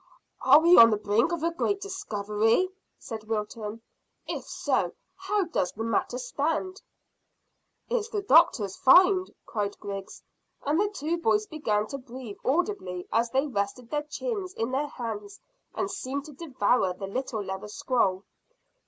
"Are we on the brink of a great discovery?" said Wilton. "If so, how does the matter stand?" "It's the doctor's find," cried Griggs, and the two boys began to breathe audibly as they rested their chins in their hands and seemed to devour the little leather scroll.